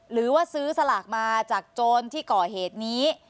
หรือว่าซื้อสลากมาจากโจรที่ก่อเหตุนี้